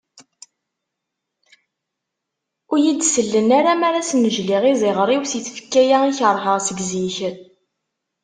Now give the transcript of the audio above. Ur iyi-d-sellen ara mi ara snejliɣ iziɣer-iw si tfekka-ya i kerheɣ seg zik.